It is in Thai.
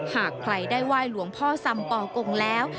หากใครได้ไหว้หลวงพ่อสำปอกงแล้ว